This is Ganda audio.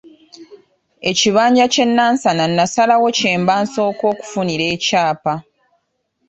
Ekibanja ky'e Nansana nasalawo kyemba nsooka okufunira ekyapa.